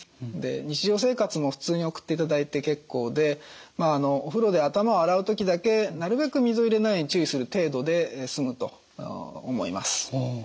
日常生活も普通に送っていただいて結構でまあお風呂で頭を洗う時だけなるべく水を入れないように注意する程度で済むと思います。